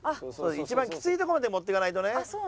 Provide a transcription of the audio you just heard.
一番きついとこまで持っていかないとね。